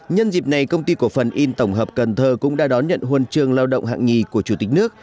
nhân dịp này công ty cổ phần in tổng hợp cần thơ cũng đã đón nhận huân trường lao động hạng nhì của chủ tịch nước